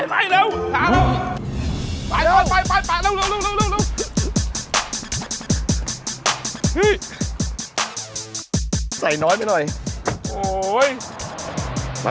ดีดีกว่า